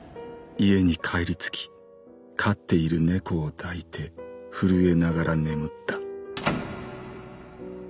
「家に帰り着き飼っている猫を抱いて震えながら眠った。